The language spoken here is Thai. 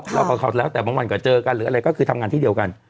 เรากับเขาแล้วแต่บางวันก็เจอกันหรืออะไรก็คือทำงานที่เดียวกัน